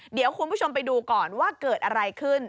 เดี๋ยวคุณผู้ชมไปดูก่อนว่าเกิดอะไรขึ้น